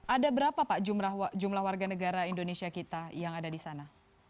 ada berapa pak jumlah warga negara indonesia kita yang ada di sana